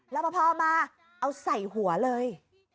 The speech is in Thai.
พ่อเราพ่อมาเอาใส่หัวเลย